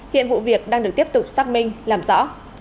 hiện vụ việc đang được tiếp tục xác minh làm rõ